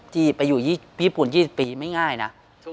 ที่ไปอยู่ญี่ปุ่น๒๐ปีไม่ง่ายนะ